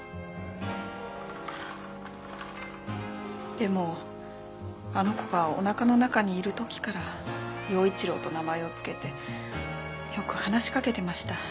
でもあの子がお腹の中にいる時から耀一郎と名前を付けてよく話しかけてました。